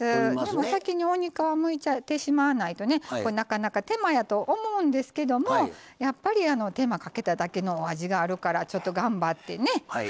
先に鬼皮をむいてしまわないとなかなか手間やと思うんですけどもやっぱり手間かけただけの味があるから頑張ってね。